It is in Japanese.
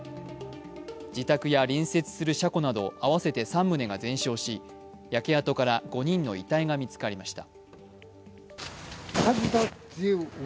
自宅や隣接する車庫など合わせて３棟が全焼し焼け跡から５人の遺体が見つかりました。